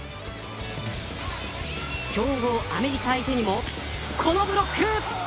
強豪アメリカ相手にもこのブロック。